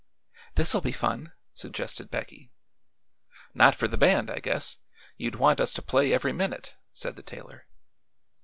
"This'll be fun," suggested Becky. "Not for the band, I guess. You'd want us to play every minute," said the tailor.